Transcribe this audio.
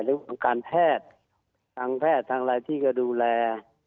แล้วก็การแพทย์ทางแพทย์ทางรายที่เขาดูแล